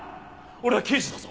俺は刑事だぞ。